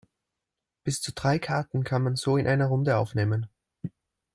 Bis zu drei Karten kann man so in einer Runde aufnehmen.